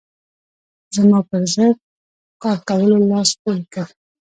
زما پر ضد کار کولو لاس پورې کړ.